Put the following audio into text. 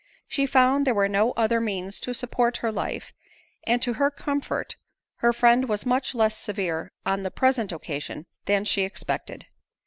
She found there were no other means to support her life; and to her comfort, her friend was much less severe on the present occasion than she expected.